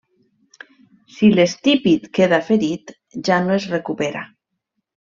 Si l'estípit queda ferit, ja no es recupera.